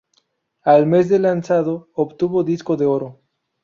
Al mes de lanzado obtuvo disco de oro.